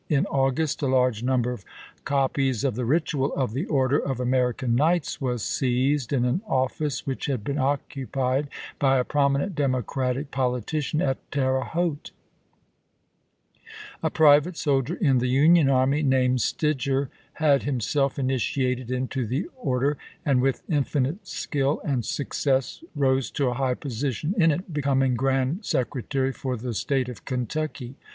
In August a large number of copies of the ritual of the Order of American Knights was seized in an office which had been occupied by a prominent Democratic thTjudse ,..,_^_.'^..,..,^ Advocate politician at Terre Haute. A private soldier m the General. Union army, named Stidger, had himself initiated into the order, and with infinite skill and success rose to a high position in it, becoming Grand Secretary for the State of Kentucky.